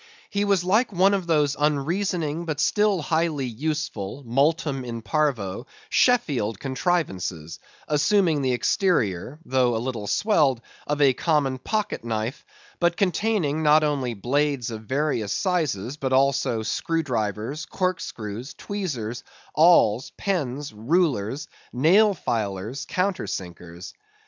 He was like one of those unreasoning but still highly useful, multum in parvo, Sheffield contrivances, assuming the exterior—though a little swelled—of a common pocket knife; but containing, not only blades of various sizes, but also screw drivers, cork screws, tweezers, awls, pens, rulers, nail filers, countersinkers.